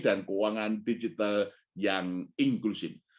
dan keuangan digital yang inklusif